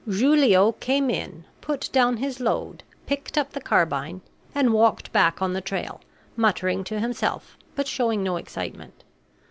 Julio came in, put down his load, picked up the carbine, and walked back on the trail, muttering to himself but showing no excitement.